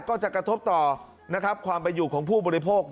ก็จะกระทบต่อความประหยุดของผู้บริโภค